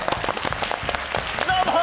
どうも！